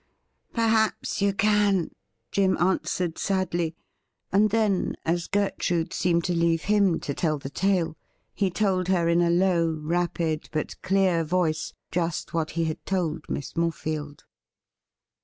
' Perhaps you can,' Jim answered sadly ; and then, as Gertrude seemed to leave him to tell the tale, he told her in a low, rapid, but clear voice, just what he had told Miss Morefield.